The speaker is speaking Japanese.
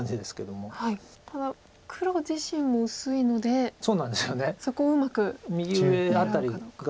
ただ黒自身も薄いのでそこをうまく狙うかどうか。